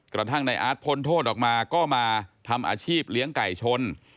กระทั่งในอาร์ตพ้นโทษออกมาก็มาทำอาชีพเลี้ยงไก่ชน